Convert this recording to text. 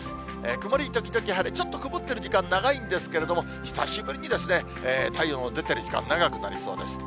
曇り時々晴れ、ちょっと曇っている時間長いんですけれども、久しぶりに太陽の出てる時間、長くなりそうです。